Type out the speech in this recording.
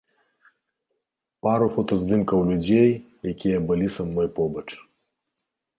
Пару фотаздымкаў людзей, якія былі са мной побач.